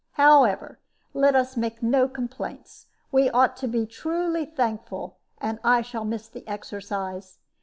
However, let us make no complaints. We ought to be truly thankful; and I shall miss the exercise.